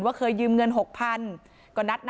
ว่าเคยยืมเงิน๖๐๐๐บาท